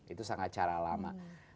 itu sangat cara lama